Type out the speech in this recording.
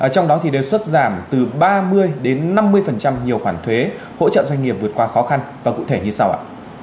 trong đó thì đề xuất giảm từ ba mươi đến năm mươi nhiều khoản thuế hỗ trợ doanh nghiệp vượt qua khó khăn và cụ thể như sau ạ